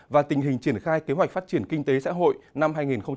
và tình hình triển khai kế hoạch phát triển kinh tế xã hội năm hai nghìn hai mươi